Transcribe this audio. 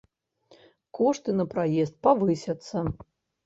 Кошты на праезд павысяцца.